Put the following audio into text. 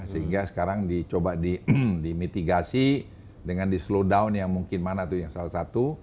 sehingga sekarang dicoba dimitigasi dengan di slow down yang mungkin mana tuh yang salah satu